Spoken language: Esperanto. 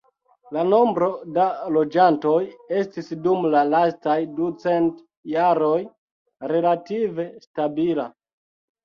La nombro da loĝantoj estis dum la lastaj ducent jaroj relative stabila.